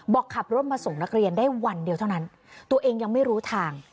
บอกขับรถมาส่งนักเรียนได้วันเดียวเท่านั้นตัวเองยังไม่รู้ทาง